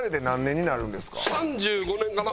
３５年かな。